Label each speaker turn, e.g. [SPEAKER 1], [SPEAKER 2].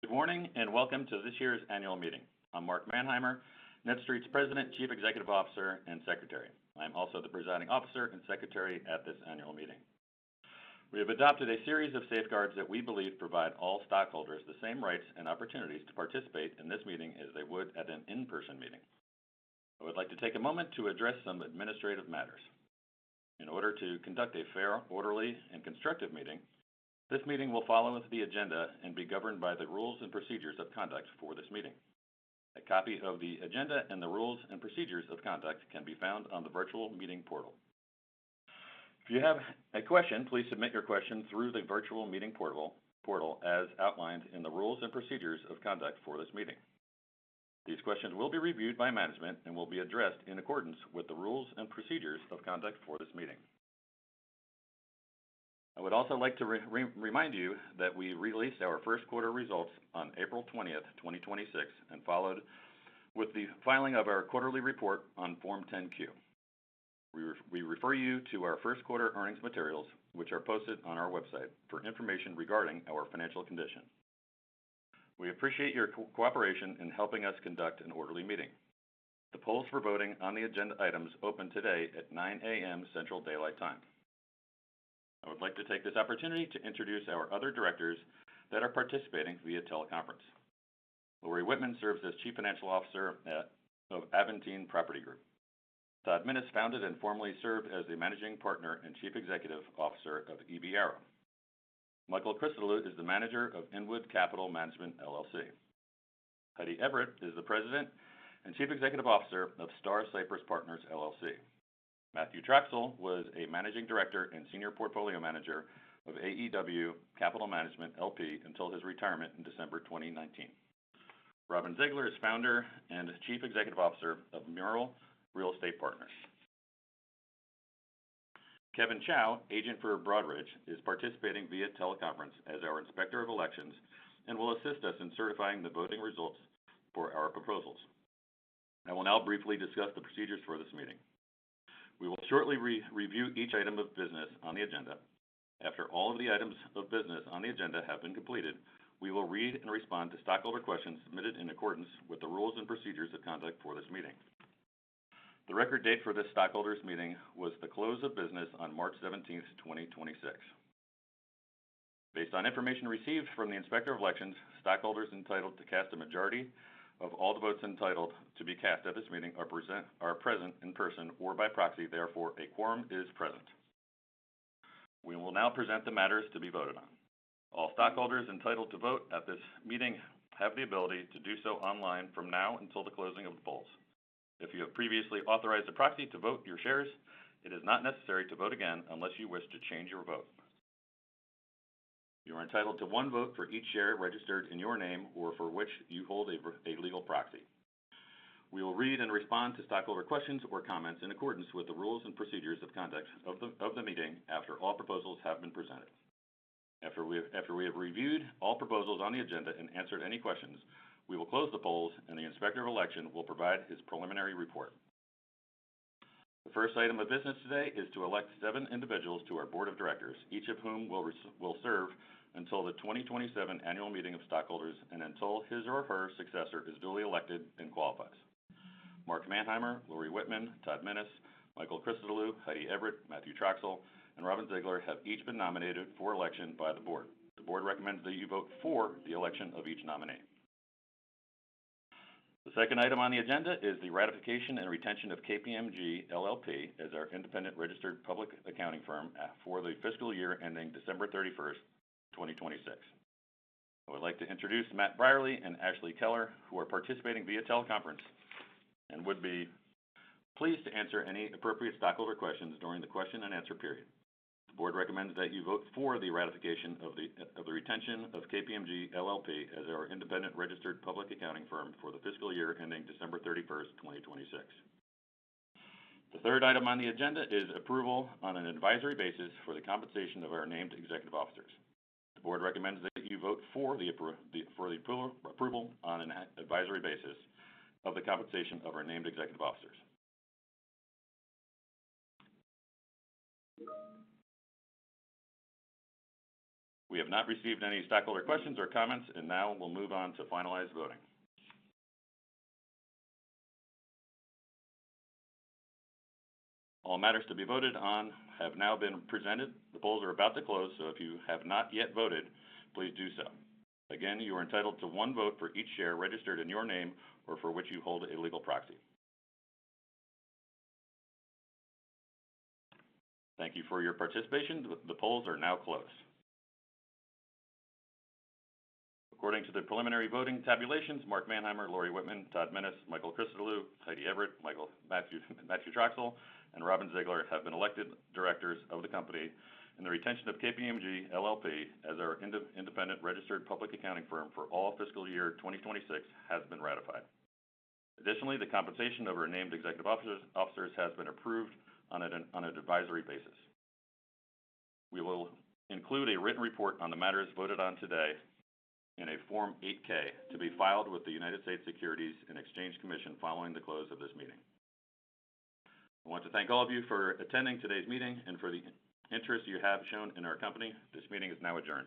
[SPEAKER 1] Good morning, and welcome to this year's annual meeting. I'm Mark Manheimer, NETSTREIT's President, Chief Executive Officer, and Secretary. I'm also the presiding officer and secretary at this annual meeting. We have adopted a series of safeguards that we believe provide all stockholders the same rights and opportunities to participate in this meeting as they would at an in-person meeting. I would like to take a moment to address some administrative matters. In order to conduct a fair, orderly, and constructive meeting, this meeting will follow with the agenda and be governed by the rules and procedures of conduct for this meeting. A copy of the agenda and the rules and procedures of conduct can be found on the virtual meeting portal. If you have a question, please submit your question through the virtual meeting portal as outlined in the rules and procedures of conduct for this meeting. These questions will be reviewed by management and will be addressed in accordance with the rules and procedures of conduct for this meeting. I would also like to remind you that we released our first quarter results on April 20th, 2026, and followed with the filing of our quarterly report on Form 10-Q. We refer you to our first quarter earnings materials, which are posted on our website for information regarding our financial condition. We appreciate your cooperation in helping us conduct an orderly meeting. The polls for voting on the agenda items open today at 9:00 AM Central Daylight Time. I would like to take this opportunity to introduce our other directors that are participating via teleconference. Lori Wittman serves as Chief Financial Officer of Aventine Property Group. Todd Minnis founded and formerly served as the Managing Partner and Chief Executive Officer of EB Arrow. Michael Christodoulou is the manager of Inwood Capital Management LLC. Heidi Everett is the President and Chief Executive Officer of Star Cypress Partners, LLC. Matthew Troxell was a Managing Director and Senior Portfolio Manager of AEW Capital Management, LP until his retirement in December 2019. Robin Zeigler is Founder and Chief Executive Officer of MURAL Real Estate Partners. Kevin Chau, agent for Broadridge, is participating via teleconference as our Inspector of Elections and will assist us in certifying the voting results for our proposals. I will now briefly discuss the procedures for this meeting. We will shortly re-review each item of business on the agenda. After all of the items of business on the agenda have been completed, we will read and respond to stockholder questions submitted in accordance with the rules and procedures of conduct for this meeting. The record date for this stockholders meeting was the close of business on March 17th, 2026. Based on information received from the Inspector of Elections, stockholders entitled to cast a majority of all the votes entitled to be cast at this meeting are present in person or by proxy. A quorum is present. We will now present the matters to be voted on. All stockholders entitled to vote at this meeting have the ability to do so online from now until the closing of the polls. If you have previously authorized a proxy to vote your shares, it is not necessary to vote again unless you wish to change your vote. You are entitled to one vote for each share registered in your name or for which you hold a legal proxy. We will read and respond to stockholder questions or comments in accordance with the rules and procedures of conduct of the meeting after all proposals have been presented. After we have reviewed all proposals on the agenda and answered any questions, we will close the polls and the Inspector of Election will provide his preliminary report. The first item of business today is to elect seven individuals to our board of directors, each of whom will serve until the 2027 annual meeting of stockholders and until his or her successor is duly elected and qualifies. Mark Manheimer, Lori Wittman, Todd Minnis, Michael Christodoulou, Heidi Everett, Matthew Troxell, and Robin Zeigler have each been nominated for election by the board. The board recommends that you vote for the election of each nominee. The second item on the agenda is the ratification and retention of KPMG LLP as our independent registered public accounting firm for the fiscal year ending December 31st, 2026. I would like to introduce Matt Brierley and Ashley Keller, who are participating via teleconference and would be pleased to answer any appropriate stockholder questions during the question and answer period. The board recommends that you vote for the ratification of the retention of KPMG LLP as our independent registered public accounting firm for the fiscal year ending December 31st, 2026. The third item on the agenda is approval on an advisory basis for the compensation of our named executive officers. The board recommends that you vote for the approval on an advisory basis of the compensation of our named executive officers. We have not received any stockholder questions or comments, and now we'll move on to finalized voting. All matters to be voted on have now been presented. The polls are about to close, so if you have not yet voted, please do so. Again, you are entitled to one vote for each share registered in your name or for which you hold a legal proxy. Thank you for your participation. The polls are now closed. According to the preliminary voting tabulations, Mark Manheimer, Lori Wittman, Todd Minnis, Michael Christodoulou, Heidi Everett, Matthew Troxell, and Robin Zeigler have been elected directors of the company, and the retention of KPMG LLP as our independent registered public accounting firm for all fiscal year 2026 has been ratified. Additionally, the compensation of our named executive officers has been approved on an advisory basis. We will include a written report on the matters voted on today in a Form 8-K to be filed with the United States Securities and Exchange Commission following the close of this meeting. I want to thank all of you for attending today's meeting and for the interest you have shown in our company. This meeting is now adjourned.